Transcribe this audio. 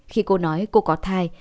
khi cô nói cô có thai